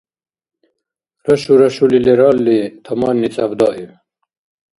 Рашу-рашули лералли, таманни цӀябдаиб.